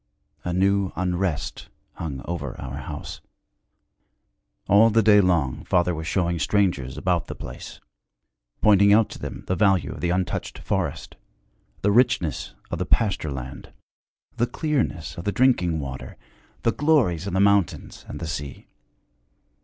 A new unrest hung over our house. All the day long father was showing strangers about the place, pointing out to them the value of the untouched forest, the richness of the pasture land, the clearness of the drinking water, the glories of the mountains and the sea.